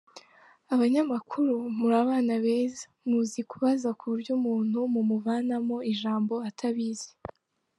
Abanyamakuru muri abana beza muzi kubaza ku buryo umuntu mumuvanamo ijambo atabizi.